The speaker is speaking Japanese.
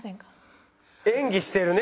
演技してるね？